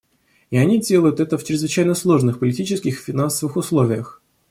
И они делают это в чрезвычайно сложных политических и финансовых условиях.